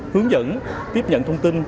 hướng dẫn tiếp nhận thông tin